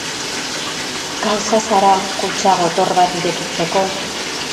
Gauza zara kutxa gotor bat irekitzeko?